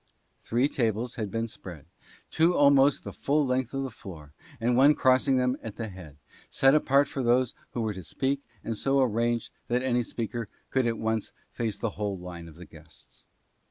Three tables had there been spread, two almost the full length of the floor, and one crossing them at the head, set apart for those who were to speak, and so arranged that any speaker could at once face the whole line of the guests.